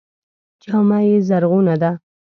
جامه یې زرغونه ده.